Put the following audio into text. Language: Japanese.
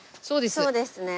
そうですね。